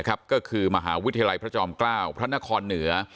ก็คือมหาวิทยาลัยพระจอมเกล้าพระนครเหนือ